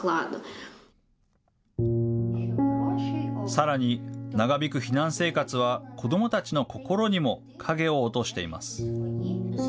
さらに、長引く避難生活は子どもたちの心にも影を落としています。